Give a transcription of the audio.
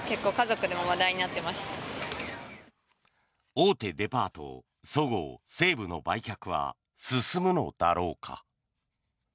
大手デパートそごう・西武の売却は進むのだろうか。